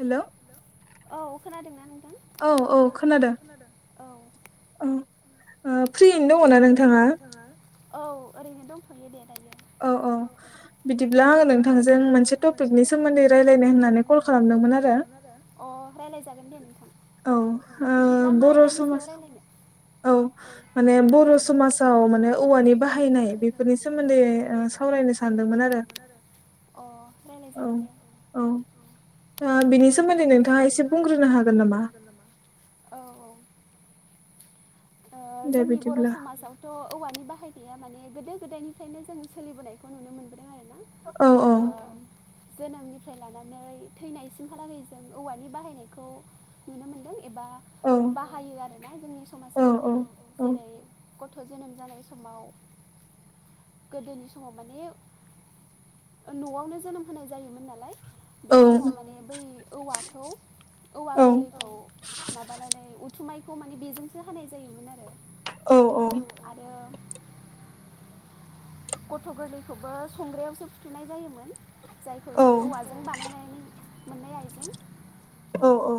Hello. औ खोनादोंना नोंथां औ औ खोनादों औ। ओ फ्रियैनो दङना नोंथाङा। औ ओरैनो दंथयो दे। [inaudible] औ औ बिदिब्ला आङो नोंथांजों मोनसे टपिकनि सोमोन्दै रायज्लायनो होननानै कल खालामदोंमोन आरो। आरो। अ रायज्लायजागोन दे। औ ओ बर' समाजाव। औ माने बर' समाजाव माने औवानि बाहायनाय बेफोरनि सोमोन्दै। सावरायनो सानदोंमोन आरो। अ रायज्लायजागोन दे‌। दा बिनि सोमोन्दै नोंथाङा एसे बुंग्रोनो हागोन नामा नामा औ औ जोंनि बर' समाजावथ' औवानि बाहाय गैया माने गोदो गोदायनिफ्रायनो जों सोलिबोनायखौ नुनो मोनबोदों आरो औ औ जोनोमनिफ्राय लानानै थैनाय सिमहालागै जों औवानि बाहायनायखौ नुनो मोनदों एबा बाहायो आरोना जोंनि समाजाव जेरै गथ' जोनोम जानाय समाव गोदोनि समाव माने न'आवनो जोनोम होनाय जायोमोन नालाय बे समाव माने बै औवाखौ औवा गोरलैखौ माबानानै उथुमाय खौ माने बेजोंसो होनाय जायोमोन आरो औ आरो गथ' गोरलैखौबो संग्रायावसो फुथुनाय जायोमोन जायखौ जों औवाजों बानायनायनि औ औ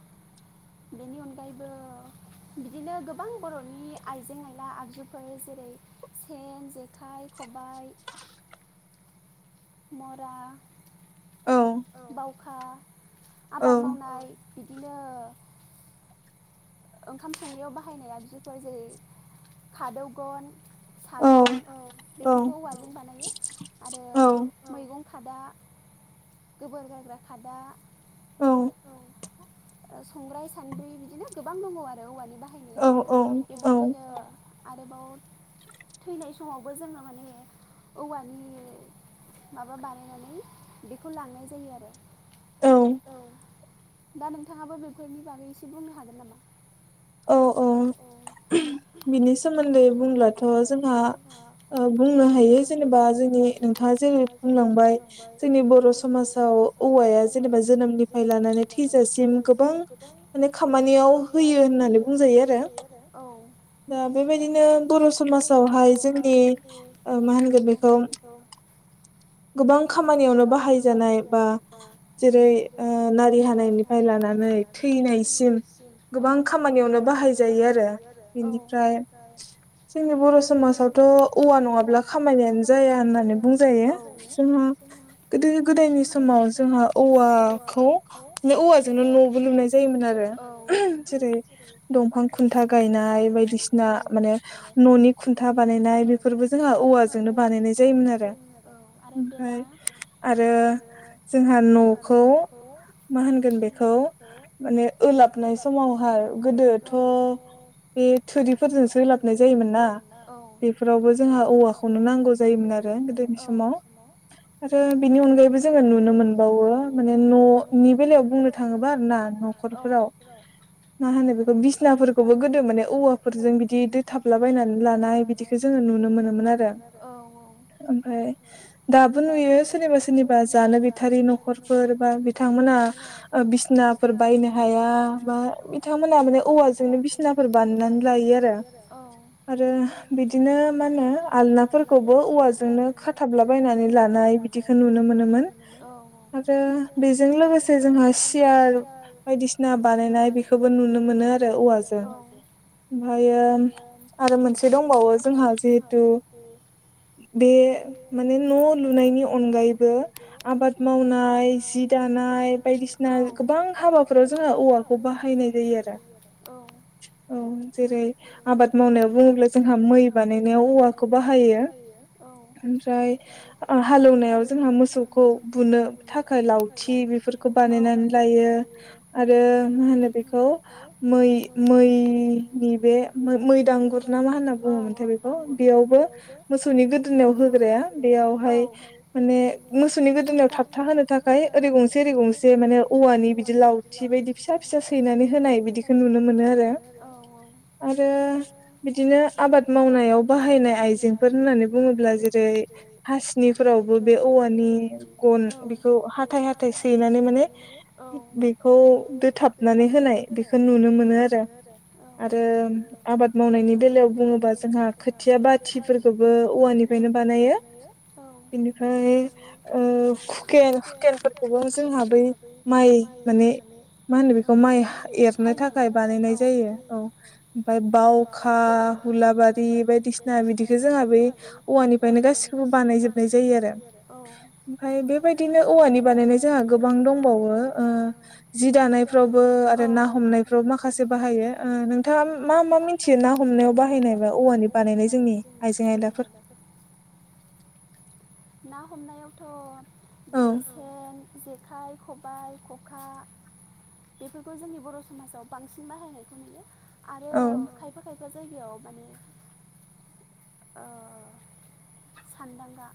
[unintelligible] बेनि अनगायैबो बिदिनो गोबां बर'नि आइजें आइला आगजुफोर जेरै सेन जेखाइ खबाय मरा बावखा आबाद मावनाय बिदिनो ओंखाम संनायाव बाहायनाय आगजुफोर जेरै खादौ गन सागं बेफोरखौ औवालों बानायो आरो मैगं मैगं खादा गोबोर गारग्रा खादा औ संग्राय सान्द्रि बिदिनो गोबां दङ आरो औवानि औ औ औ आरोबाव थैनाय समावबो जोङो माने औवानि माबा बानायनानै बेखौ लांनाय जायो आरो। औ दा नोंथाङाबो बेफोरनि बागै एसे बुंनो हागोन नामा? औ औ बिनि सोमोन्दै बुंब्लाथ' जोंहा बुंनो हायो जेनेबा जोंनि नोंथाङा जेरै बुंलांबाय जोंनि बर' समाजाव औवाया जेनेबा जोनोमनिफ्राय लानानै थैजासिम गोबां माने खामानियाव होयो। फैयो होननानै बुंजायो आरो औ। दा बेबायदिनो बर' समाजावहाय जोंनि मा होनगोन बेखौ गोबां खामानियावनो बाहायजानाय बा जेरै नारि हानायनिफ्राय लानानै थैनायसिम गोबां खामानियावनो बाहाय जायो आरो बेनिफ्राय जोंनि बर' समाजावथ' औवा नङाब्ला खामानियानो जाया होननानै बुंजायो जों गोदो गोदायनि समाव जों औवाखौ औवाजोंनो न'बो लुनाय जायोमोन आरो। जेरै दंफां खुन्था गायनाय बायदिसिना माने न'नि खुन्था बाना नाय बेफोर बुस जोंहा औवाजोंनो बानायनाय जायोमोन आरो ओमफ्राय आरो जोंहा जोंहा नखौ मा होनगोन बेखौ मानि ओलाब लाबनाय समावहाय गोदोथ' बे थुरिफोरजोंसो ओलाबनाय जायोमोन ना। बेफोरावबो जोंहा औवाखौनो नांगौ जायोमोन आरो गोदोनि समाव। आरो बिनि अनगायैबो जोङो नुनो मोनबावो माने न'नि बेलायाव बुंनो थाङोबा आरो ना। न'खरफोराव मा होनो बेखौ बिसनाफोरखौबो गोदो माने औवाफोरजों बिदि दोथाबलाबायनानै लानाय बिदिखौ जों नुनो मोनोमोन आरो। ओमफ्राय दाबो नुयो सोरनिबा सोरनिबा जानो गैथारि न'खरफोर बा बिथांमोना। बिसिनाफोर बायनो हाया। माबा बिथांमोना माने औवाजोंनो बिसिनाफोर बानायनानै लायो आरो आरो बिदिनो बिदिनो मा होनो आलनाफोरखौबो औवाजोंनो खाथाबलाबायनानै लानाय बिदिखौ नुनो मोनोमोन। आरो बेजों लोगोसे जोंहा सियार बायदिसिना बा नायनाय बेखौबो नुनो मोनो आरो औवाजों ओमफ्रायो आरो मोनसे दंबावो जोंहा जिहेथु बे माने न' लुनायनि अनगायैबो आबाद मावनाय जि दा बायदिसिना गोबां हाबाफोराव जोङो औवाखौ बाहायनाय जायो आरो। औ जेरै आबाद मावनायाव बुङोब्ला जोंहा मै बानायनायाव औवाखौ बाहायो ओमफ्राय हालेनायाव जोंहा मोसौ खौ बुनो थाखाय लावथि बेफोरखौ बानायनानै लायो आरो। मा होनो बेखौ मै मैनि बे मै दांगुर ना मा होनो बुङोमोनथाय बेखौ बेयावबो मोसौनि गोदोनिाव होग्राया बेयावहाय माने मोसौनि गोदोनायाव थाबथा होनो थाखाय ओरै गंसे ओरै गंसे माने औवानि बिदि लावथि बायदि फिसा फिसा सैनानै होनाय बिदिखौ नुनो मोनो आरो आरो बिदिनो आबाद मावनायाव बाहायनाय आइजेंफोर होननानै बुङोब्ला जेरै हासिनिफोरावबो बे औ वानि गन बेखौ हाथाय हाथाय सैनानै माने बेखौ दो थाबनानै होनाय बेखौ नुनो मोनो आरो आरो आबाद मावनायनि बेलायाव बुङोबा जोंहा खोथिया बाथिफोरखौबो औवानिफ्रायनो बानायो बिनिफ्राय ओ हुखेन हुखेनफोरखौबो जोंहा बै माइ माने मा होनो बेखौ माइ एरनो थाखाय बानायनाय जायो औ ओमफ्राय बावखा बा हुलाबारि बायदिसिना बिदिखौ जोंहा बै औवानिफ्रायनो गासिखौबो बानायजोबनाय जायो आरो ओमफ्राय बेबायदिनो औवानि बानायनाय जोंहा गोबां दंबावो ओ जि दानायफ्रावबो आरो ना हमनायफ्रावबो माखासे बाहायो ओ नोंथाङा मा मा मिथियो ना हमनायाव बाहायनाय बा औवानि बानायनाय जोंनि आइजें आयलाफोर [inaudible] ना हमनायावथ' जेरै सेन जे खाइ खबाय ख'खा बेफोरखौ जोंनि बर' समाजाव बांसिन बाहायनायखौ नुयो आरो खायफा खाय फा जायगायाव माने ओ सानदांगा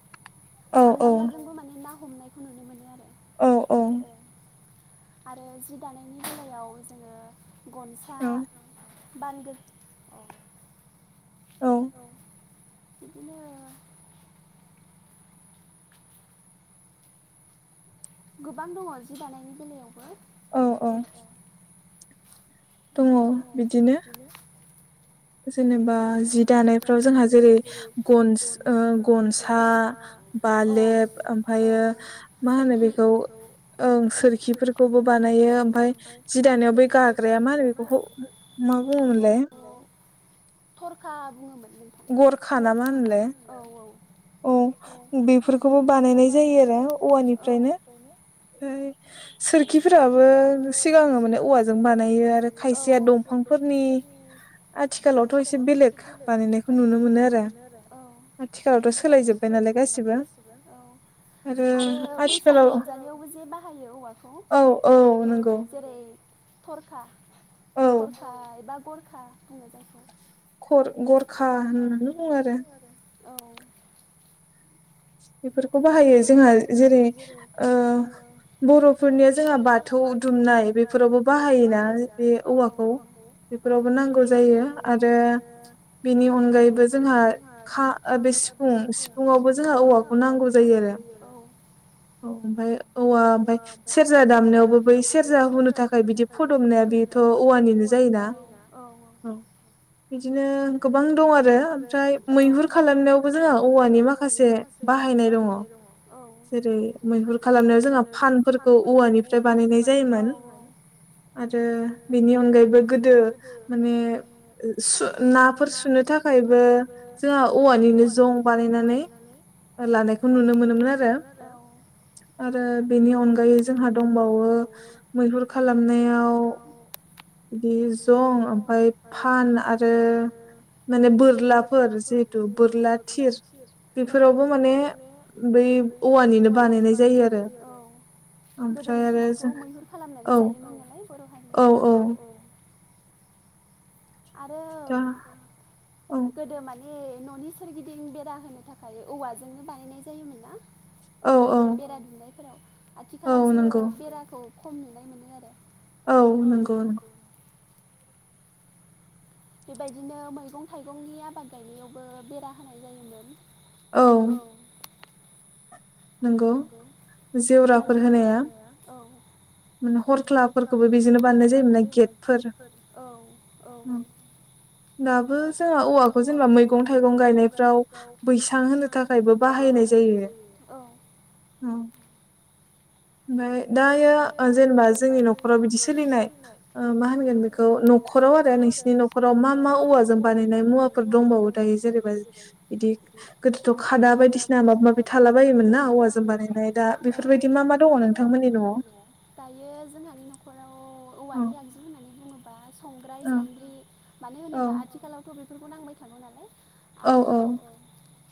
सानदांगाजोंबो माने ना हमनायखौ नुनो मोनो आरो औ औ आरो जि दानायनि बेलायाव जोङो गनसा बांगो औ बिदिनो गोबां दङ' जि दानायनि बेलायावबो औ औ दङ' बिदिनो जेनेबा जि दानायफ्राव जोंहा जेरै गन ओ गनसा बालेब ओमफायो मा होनो बेखौ ओं सोरखिफोरखौबो बानायो ओमफाय जि दानायाव बे गाग्राया मा होनो बेखौ मा बुङो मोनलाय थरखा बुङोमोन गरखा ना मा होनोमोनलाय औ बेफोरखौबो बानायनाय जायो आरो औवानिफ्रायनो ओमफ्राय सोरखिफोराबो सिगाङो माने औवाजों बानायो आरो खायसेया दंफां फोरनि आथिखालावथ' एसे बेलेग बानायनायखौ नुनो मोनो आरो औ सोराबबो सोलायजोबबाय नालाय गासिबो औ आरो बैसागु रंजालियावबो जे बाहायो औवाखौ औ औ जेरै थरखा थरखा एबा गरखा होननाय जायखै खर गरखा होननानै बुङो आरो बेफोरखौ बाहायो जोंहा जेरै ओ बर'फोरनिया जोंहा बाथौ दुमनाय बेफोरावबो बाहायोना बे औवाखौ बेफोरावबो नांगौ जायो आरो बेनि अनगायैबो जोंहा खा बे सिफुं सिफुं आवबो जोंहा औवाखौ नांगौ जायो आरो औ ओमफाय औवा ओमफाय सेरजा दामनायावबो बै सेरजा होनुो थाखाय बिदि फदबनाया बेथ' बेथ' औवानिल' जायो ना बिदिनो गोबां दं आरो ओमफ्राय मैहुर खालामनायावबो जोंहा औवानि माखा माखासे बाहाय बाहायनाय दङ औ जेरै मैहुर खालामारनो जोंहा फानफोरखौ औवानिफ्राय बानायनाय एन आरो बेनि अनगायैबो गोदो माने सु नाफोर सुनो थाखाय। थाखायबो जोंहा औवानिनो जं बानायनानै लानायखौ नुनो मोनोमोन आरो। आरो बेनि अनगायै जोंहा दंबावो मैहुर खालामनायाव बिदि जं ओमफाय फान आरो। माने बोरलाफोर जिहेतु बोरला थिर बेफोरावबो माने बै औवानिनो बानायनाय जायो आरो। गोदोनि समावथ' मैहुर खालामनानै जायोमोन नालाय बर' हारिया औ औ। आरो गोदो माने। बे न'नि सोरगिदिं बेरा होनो थाखाय औवाजोंनो बानायनाय जायोमोन ना। औ बेरा दुमलाइफोराव आथिखालाव सो बेराखौ खम नुनाय मोनदों आरो औ नगौ। बेबायदिनो मैगं थाइगंनि आबाद गायनायावबो बेरा होनाय जायोमोन। औ। नोंगौ। मालुराफोर होनाया औ। हरख्लाफोरखौबो बिदिनो बानायनाय जायोमोन आरो खि फोर औ औ औ। दाबो जोंहा औवाखौ जेनेबा मैगं थाइगं गायनायफ्राव बैसां होनो थाखायबो बाहाय नाय जायो। ओमफाय दायो ओ जेनेबा जोंनि न'खराव बिदि सोलिनाय मा होनगोन बेखौ? न'खराव आरो नोंसिोरनि न'खराव मा मा औवाजों बानायनाय मुवाफोर दंबावो दायो जेरेबा बायदि गोदोथ' खादा बायदिसिना माबा माबि थाला बायोमोन ना। औवाजों बानायनाय दा बेफोरबायदि मा मा दङ नों- दङ दायो जोंहानि न'खराव। औवानि आंगजु होननानै बुङो संग्राय सान्द्रि मानो होनोबा आथिखालावथ' बेफोरखौ नांबाय थाङो नालाय। आरो औ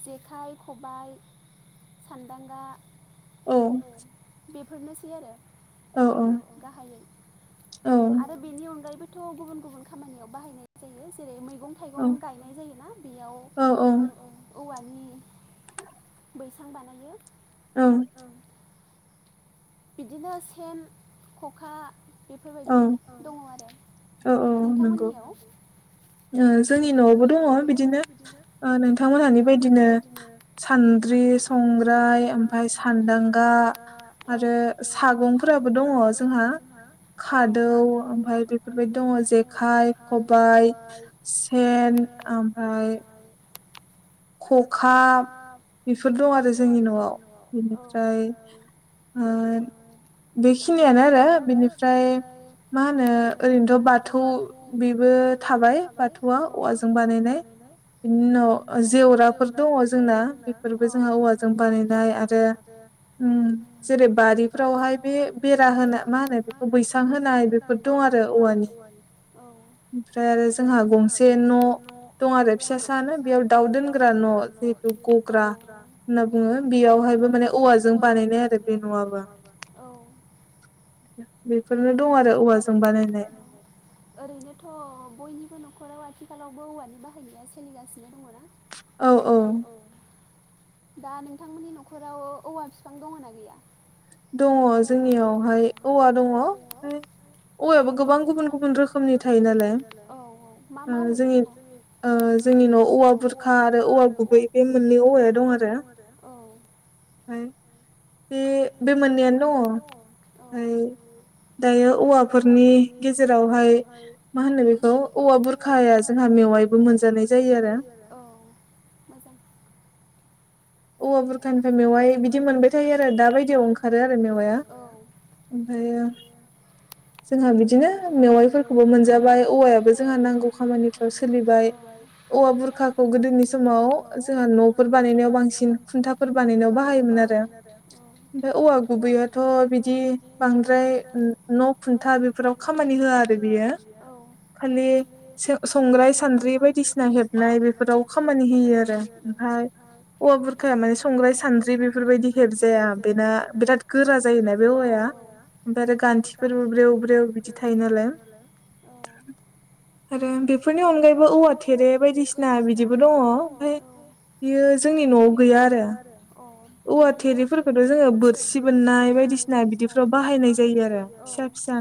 जेखाइ खबाय सान्दांगा। औ। बेफोरनोसै आरो औ गाहायै आरो बेनि अनगायैबो थ' गुबुन गुबुन खामानियाव बाहायनाय जायो जेरै मै मैगं थाइगं गायनाय जायोना बेयाव औ। बैसां बानायो। ओं। बिदिनो सेन खखा बेफोरबायदि दङ आरो नोंथांमोननियाव? जोंनि न'आवबो दङ बिदिनो नोंथांमोनहानि बायदिनो सान्द्रि संग्राय ओमफ्राय सान्दांगा। औ आरो सागंफोराबो दङ जोंहा औ हादौ ओमफ्राय बेफोर जेखाइ खबाइ सेन ओमफ्राय [inaudible] खखा बेफोर दं आरो जोंनि न'आव बेनिफ्राय आरो बेखिनियानो आरो बिनिफ्राय मा होनो ओरैनोथ' बाथौ बेबो थाबाय बाथौआ औवाजों बानायनाय बिनि उनाव जेवराफोर दङ जोंना बेफोरबो जोंहा औवाजों बानायनाय आरो। जेरै बारिफ्रावहाय बे बेरा होना मा होनो बेखौ बैसां होनाय बेफोर दं आरो औ। औ औ। ओमफ्राय आरो जोंहा गंसे न' दं आरो फिसा सानो बेयाव दउ दाउ दोनग्रा न' जेखौ ग'ग्रा होनना‌ बुङो बेयावहायनबो मानो औवाजों बान बानायनाय आरो बे नङाबा औ। बेफोरनो दं आरो औवाजों बानायनाय। ओरैनोथ' बयनिबो न'खराव आथिखालावबो औवानि बाहायनाया सोलिगासिनो दङ'ना? औ औ। दा नोंथांमोननि न'खराव औवा बिफां दङ' ना गैया? दङ जोंनियावहाय औवा दङ ओफ्राय औ गोबां गुबुन गुबुन रोखोमनि थायोनाल औ औ मा मा औवाया दङ? ओ जोंनि न' औवा बुरखा आरो औवा गुबैबो मोननै औवाया दं आरो। बे बे मोननैआनो दङ' ऐ। दायो औवाफोरनि गेजेरावहाय मा होनो बेखौ औवा बुरखाया जोंहा जोंहा मेवायबो मोनजानाय जायो आरो। [inaudible] औवा बुरखानिफ्राय मेवाय बिदि मोनबाय थायो आरो दा बायदियाव ओंखारो आरो मेवाया। ओमफ्रायो जोंहा बिदिनो मेवाइफोरखौबो मोनजाबाय औवायाबो जोंहा नांगौ खामानिफ्राव सोलिबाय। औवा बुरखाखौ गोदोनि समाव जोंहा न'फोर बानायनायाव बांसिन खुन्था फोर बानायनायाव बाहायोमोन आरो ओमफ्राय औवा गुबैयाथ' बिदि बांद्राय न-न' खुन्था बेफोराव खामानि होआ आरो बेयो खालि स-संग्राय सान्द्रि बायदि सिना हेबनाय बेफोराव खामानि होयो आरो ओमफ्राय औवा बुरखा माने स संग्राय सान्द्रि बेफोरबायदि हेब जाया बेना बिराद गोरा जायोना बे औवाया ओमफ्राय आरो गान्थि फोरबो ब्रेव ब्रेव बिदि थायो नालाय। आरो बेफोरनि अनगायैबो औवा थेरे बायदिसिना बिदिबो दङ ओफाय बियो जोंनि न'आव गैया आर गैया आरो अ। बे औ थिफोरखौथ' जोङो बोरसि बोननाय बायदिसिना बिददिफोराव बाहायनाय जायो औ।